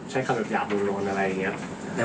ใช้คำหยาบลงอะไรอย่างนี้